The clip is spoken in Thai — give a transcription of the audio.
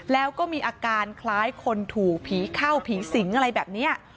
แล้วก็มีอาการคล้ายคนถูกผีเข้าผีสิงอะไรแบบนี้